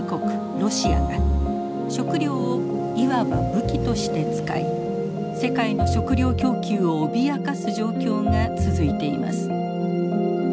ロシアが食料をいわば武器として使い世界の食料供給を脅かす状況が続いています。